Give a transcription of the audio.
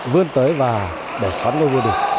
vươn tới và đẩy sẵn ngôi vua địch